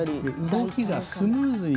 動きがスムーズに。